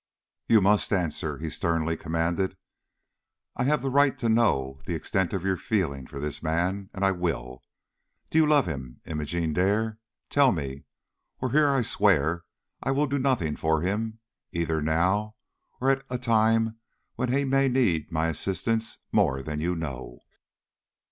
"You must answer," he sternly commanded. "I have the right to know the extent of your feeling for this man, and I will. Do you love him, Imogene Dare? Tell me, or I here swear that I will do nothing for him, either now or at a time when he may need my assistance more than you know."